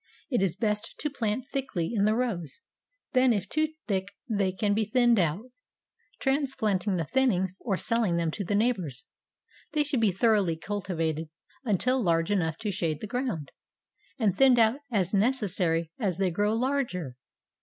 It is best to plant thickly in the rows, then if too thick they can be thinned out, transplanting the thinnings, or selling them to the neighbors. They should be thoroughly cultivated, until large enough to shade the ground, and thinned out as necessary as they grow larger.